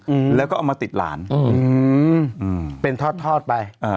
อืมแล้วก็เอามาติดหลานอืมอืมเป็นทอดทอดไปอ่า